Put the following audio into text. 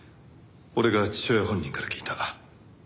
俺が父親本人から聞いた。